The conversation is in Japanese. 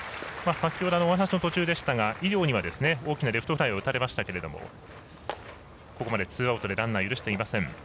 先ほどお話の途中でしたが大きなレフトフライを打たれましたけどここまでツーアウトでランナーを許していません。